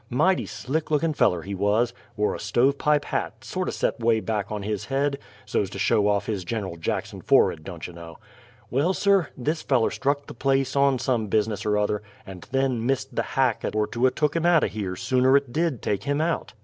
Mighty slick lookin' feller he wuz; wore a stovepipe hat, sorto' set 'way back on his head so's to show off his Giner'l Jackson forr'ed, don't you know! Well sir, this feller struck the place, on some business er other, and then missed the hack 'at ort to 'a' tuk him out o' here sooner'n it did take him out!